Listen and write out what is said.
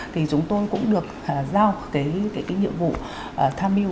thì chúng tôi cũng được giao cái nhiệm vụ tham mưu